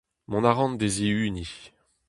Mont a ran d’e zihuniñ.